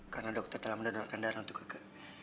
karena dokter telah mendonorkan darah untuk keke